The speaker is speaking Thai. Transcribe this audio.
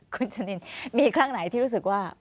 คุณชะนินมีครั้งไหนที่รู้สึกว่า